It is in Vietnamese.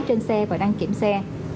trên xe và đăng kiểm xe